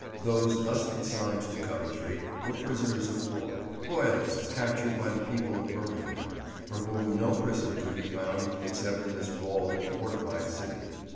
Those thus consigned to Coventry were prisoners of war, Royalists captured by the people of Birmingham, for whom no prison could be found except in this walled and fortified city.